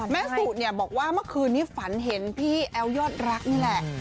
สุเนี่ยบอกว่าเมื่อคืนนี้ฝันเห็นพี่แอ๋วยอดรักนี่แหละ